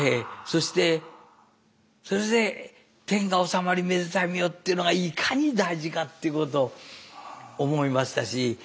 そしてそれで「天下治まりめでたい御代」っていうのがいかに大事かっていうことを思いましたし。